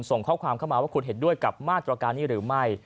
ส่งข้อความเข้ามาว่าคุณเห็นด้วยกับมาตรการนี้หรือไม่